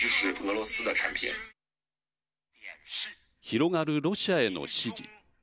広がるロシアへの支持。